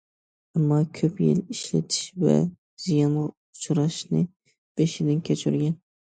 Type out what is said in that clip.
ئەمما كۆپ يىل ئىشلىتىلىش ۋە زىيانغا ئۇچراشنى بېشىدىن كەچۈرگەن.